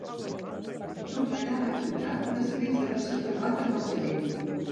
Tornarà a trucar després d'haver-se trobat amb el gerent.